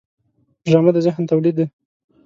ډرامه د ذهن تولید دی